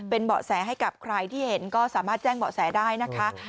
เป็นเบาะแสให้กับใครที่เห็นก็สามารถแจ้งเบาะแสได้นะคะ